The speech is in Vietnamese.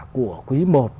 của quý một